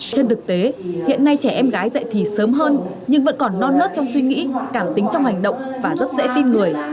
trên thực tế hiện nay trẻ em gái dạy thì sớm hơn nhưng vẫn còn non nớt trong suy nghĩ cảm tính trong hành động và rất dễ tin người